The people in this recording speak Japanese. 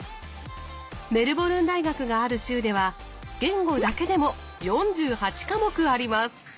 メルボルン大学がある州では言語だけでも４８科目あります。